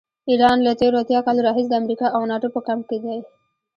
ایران له تېرو اتیا کالو راهیسې د امریکا او ناټو په کمپ کې دی.